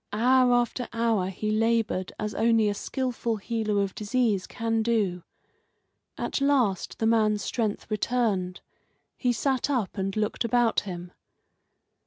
Hour after hour he laboured as only a skilful healer of disease can do. At last the man's strength returned; he sat up and looked about him.